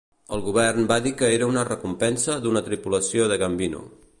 El govern va dir que era una recompensa d'una tripulació de Gambino.